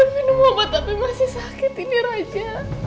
minum obat tapi masih sakit ini raja